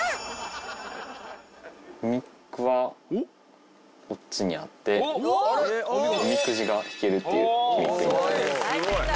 ギミックはこっちにあっておみくじが引けるっていうギミックになっています。